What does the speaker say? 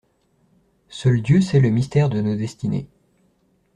Seul Dieu sait le mystère de nos destinées.